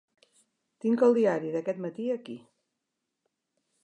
Tinc el diari d'aquest matí aquí.